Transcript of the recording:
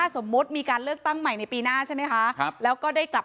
สมมุติมีการเลือกตั้งใหม่ในปีหน้าใช่ไหมคะครับแล้วก็ได้กลับ